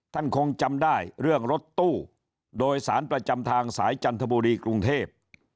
ท่านคงจำได้เรื่องรถตู้โดยสารประจำทางสายจันทบุรีกรุงเทพ